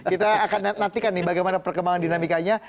kita akan nantikan nih bagaimana perkembangan dinamikanya